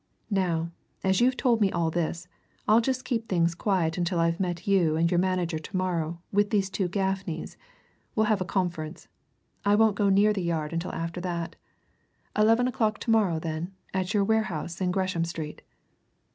Now, as you've told me all this, I'll just keep things quiet until I've met you and your manager to morrow, with these two Gaffneys we'll have a conference. I won't go near the Yard until after that. Eleven o'clock to morrow, then, at your warehouse in Gresham Street."